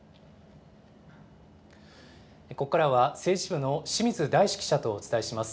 ここからは政治部の清水大志記者とお伝えします。